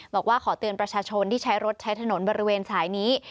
บอกว่าขอเตือนประชาชนที่ใช้รถใช้ถนนบริเวณสายนี้